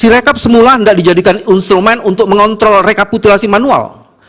direkap semula tidak dijadikan instrumen untuk mengontrol rekapitulasi manual